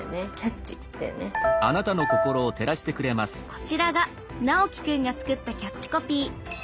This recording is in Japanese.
こちらがナオキ君が作ったキャッチコピー。